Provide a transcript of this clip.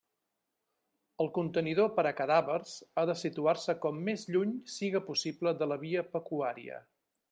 El contenidor per a cadàvers ha de situar-se com més lluny siga possible de la via pecuària.